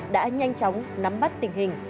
đã nhanh chóng nắm bắt tình hình